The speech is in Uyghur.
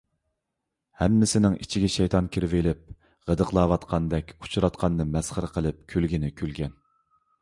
ھەممىسىنىڭ ئىچىگە شەيتان كىرىۋېلىپ غىدىقلاۋاتقاندەك ئۇچىراتقاننى مەسخىرە قىلىپ كۈلگىنى كۈلگەن.